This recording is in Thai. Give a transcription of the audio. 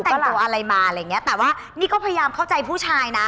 แต่งตัวอะไรมาอะไรอย่างเงี้ยแต่ว่านี่ก็พยายามเข้าใจผู้ชายนะ